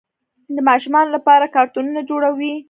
د ماشومانو لپاره کارتونونه جوړوي.